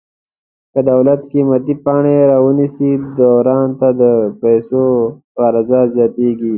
که دولت قیمتي پاڼې را ونیسي دوران ته د پیسو عرضه زیاتیږي.